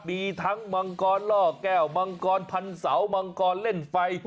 มีทั้งมังกรล่อแก้วมังกรพันเสามังกรเล่นไฟ